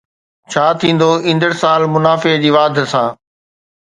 ڇا ٿيندو ايندڙ سال منافعي جي واڌ سان؟